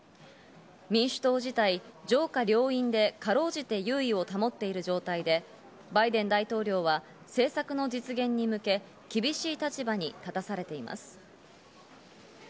民主党自体、上下両院で辛うじて優位を保っている状態でバイデン大統領は政策の実現に向け、厳しい立場に立たされています。